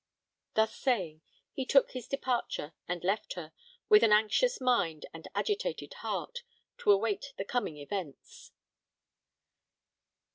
Thus saying, he took his departure, and left her, with an anxious mind and agitated heart, to await the coming events.